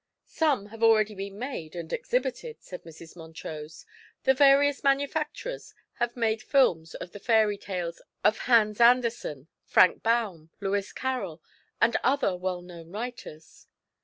"Some have already been made and exhibited," said Mrs. Montrose. "The various manufacturers have made films of the fairy tales of Hans Andersen, Frank Baum, Lewis Carroll and other well known writers."